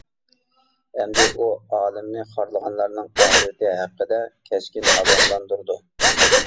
ئەمدى ئۇ، ئالىمنى خارلىغانلارنىڭ ئاقىۋىتى ھەققىدە كەسكىن ئاگاھلاندۇرىدۇ.